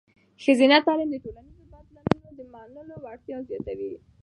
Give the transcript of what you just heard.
ښځینه تعلیم د ټولنیزو بدلونونو د منلو وړتیا زیاتوي.